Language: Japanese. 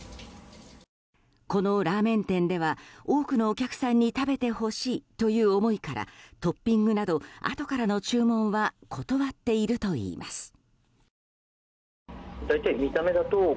このラーメン店では多くのお客さんに食べてほしいという思いからトッピングなどあとからの注文は断っているといいます。